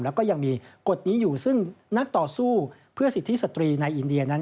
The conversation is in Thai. แล้วก็ยังมีกฎนี้อยู่ซึ่งนักต่อสู้เพื่อสิทธิสตรีในอินเดียนั้น